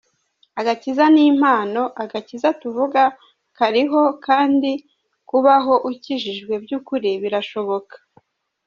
Agakiza ni impamo, agakiza tuvuga kariho kandi kubaho ukijijwe by’ukuri birashoboka.